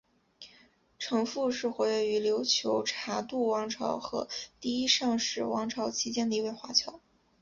程复是活跃于琉球察度王朝和第一尚氏王朝期间的一位华侨。